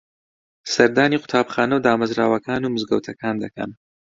سەردانی قوتابخانە و دامەزراوەکان و مزگەوتەکان دەکەن